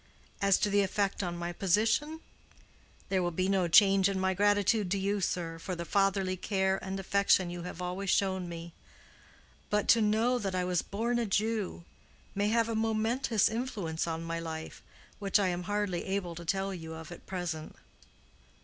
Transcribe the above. As to the effect on my position, there will be no change in my gratitude to you, sir, for the fatherly care and affection you have always shown me. But to know that I was born a Jew, may have a momentous influence on my life, which I am hardly able to tell you of at present."